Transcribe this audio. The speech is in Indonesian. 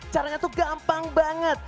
caranya tuh gampang banget